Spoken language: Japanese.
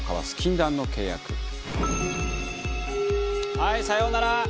はいさようなら！